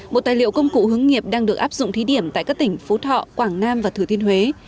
bộ tài liệu công cụ hướng nghiệp đang được áp dụng thí điểm tại các tỉnh phú thọ quảng nam và thừa thiên huế